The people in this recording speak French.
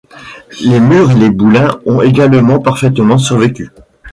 Les murs et les boulins ont également parfaitement survécu.